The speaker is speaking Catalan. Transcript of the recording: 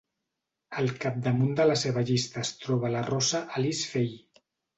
Al capdamunt de la seva llista es troba la rossa Alice Faye.